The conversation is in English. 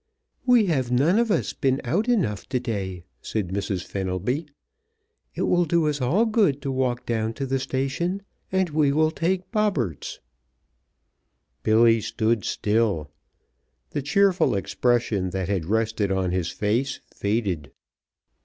"We have none of us been out enough to day," said Mrs. Fenelby. "It will do us all good to walk down to the station, and we will take Bobberts." Billy stood still. The cheerful expression that had rested on his face faded.